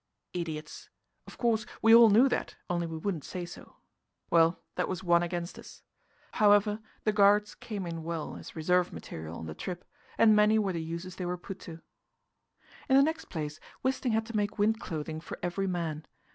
Idiots! of course, we all knew that, only we wouldn't say so. Well, that was one against us. However, the guards came in well as reserve material on the trip, and many were the uses they were put to. In the next place, Wisting had to make wind clothing for every man.